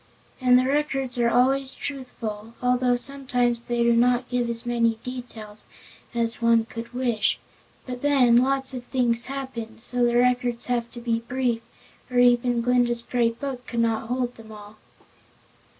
And the records are always truthful, although sometimes they do not give as many details as one could wish. But then, lots of things happen, and so the records have to be brief or even Glinda's Great Book could not hold them all.